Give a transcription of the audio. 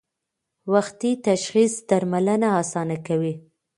وختي تشخیص درملنه اسانه کوي.